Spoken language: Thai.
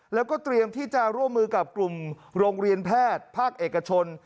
แล้วก็เตรียมที่จะร่วมมือกับกลุ่มโรงเรียนแพทย์ภาคเอกชน